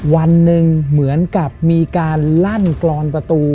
วันหนึ่งเหมือนกับมีการลั่นกรอนประตู